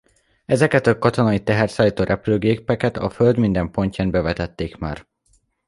Ezeket a katonai teherszállító repülőgépeket a Föld minden pontján bevetették már.